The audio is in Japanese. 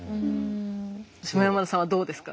下山田さんはどうですか？